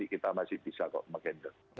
kita masih bisa kok mengendor